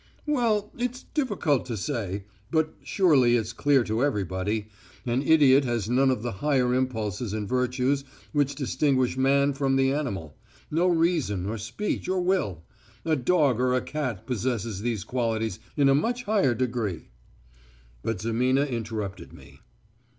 "Well, it's difficult to say. But surely it's clear to everybody.... An idiot has none of the higher impulses and virtues which distinguish man from the animal ... no reason or speech or will.... A dog or a cat possesses these qualities in a much higher degree...." But Zimina interrupted me.